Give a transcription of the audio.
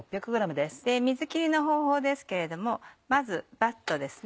水切りの方法ですけれどもまずバットですね。